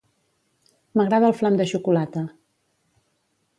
M'agrada el flam de xocolata